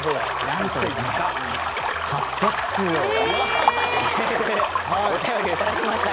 なんとですね８００通を超えるお便りをいただきました。